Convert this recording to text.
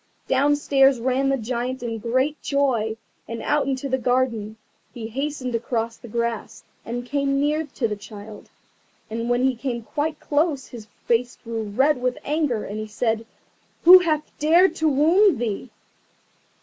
Downstairs ran the Giant in great joy, and out into the garden. He hastened across the grass, and came near to the child. And when he came quite close his face grew red with anger, and he said, "Who hath dared to wound thee?"